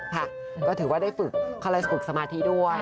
ค่ะก็ถือว่าได้ฝึกเขาเลยฝึกสมาธิด้วย